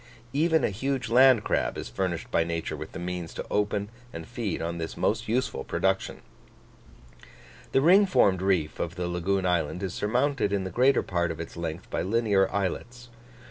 Even a huge land crab is furnished by nature with the means to open and feed on this most useful production. The ring formed reef of the lagoon island is surmounted in the greater part of its length by linear islets.